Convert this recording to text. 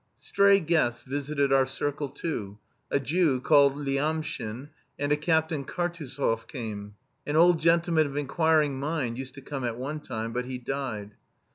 Stray guests visited our circle too; a Jew, called Lyamshin, and a Captain Kartusov came. An old gentleman of inquiring mind used to come at one time, but he died.